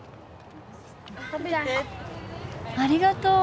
ありがとう！